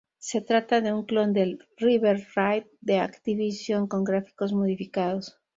Se trata de un clon del "River Raid" de Activision con gráficos modificados.